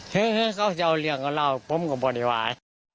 ให้เขาจะเอาเรียนกับเราพร้อมกับบรรยาวะ